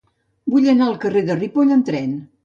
Vull anar al carrer de Ripoll amb tren.